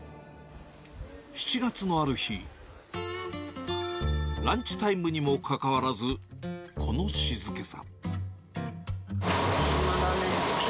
７月のある日、ランチタイムにもかかわらず、この静けさ。